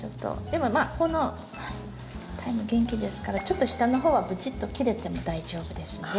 でもまあこのタイム元気ですからちょっと下の方はブチッと切れても大丈夫ですので。